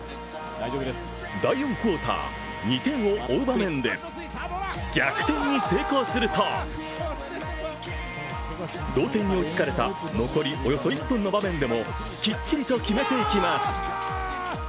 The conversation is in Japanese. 第４クオーター、２点を追う場面で逆転に成功すると同点に追いつかれた残りおよそ１分の場面でもきっちりと決めていきます。